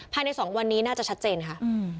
ภายใน๒วันนี้น่าจะชัดเจนค่ะ